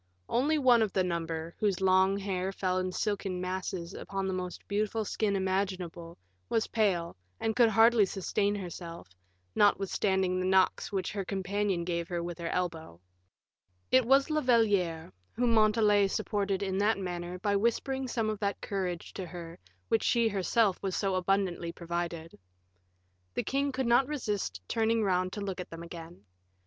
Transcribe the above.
One only of the number, whose long hair fell in silken masses upon the most beautiful skin imaginable, was pale, and could hardly sustain herself, notwithstanding the knocks which her companion gave her with her elbow. It was La Valliere whom Montalais supported in that manner by whispering some of that courage to her with which she herself was so abundantly provided. The king could not resist turning round to look at them again.